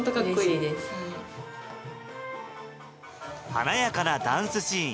華やかなダンスシーン